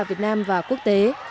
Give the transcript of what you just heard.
việt nam và quốc tế